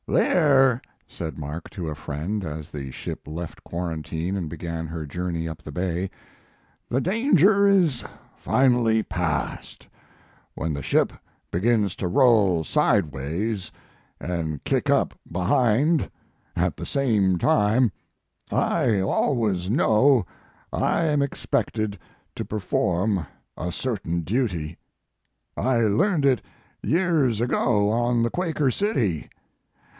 "There," said Mark, to a friend, as the ship left quarantine and began her journey up the bay, "the danger is finally passed. When the ship begins to roll sideways and kick up behind at the satne time, I always know I am expected to perform a certain duty. I learned it years ago on the Quaker City.